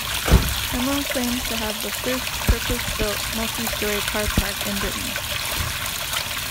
Hemel claims to have the first purpose built multi-storey car park in Britain.